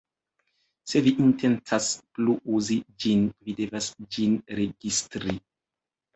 Se vi intencas plu uzi ĝin, vi devas ĝin registri.